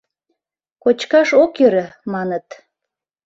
Кочкаш ок йӧрӧ, маныт.